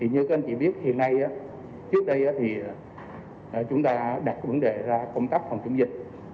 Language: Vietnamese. như các anh chị biết hiện nay trước đây chúng ta đặt vấn đề ra công tác phòng chống dịch